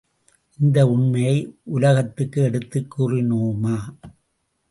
இந்த உண்மையை உலகத்துக்கு எடுத்துக் கூறினோமா?